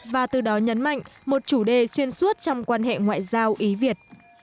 và từ đó nhấn mạnh một chủ đề xuyên suốt trong quan hệ ngoại giao ý việt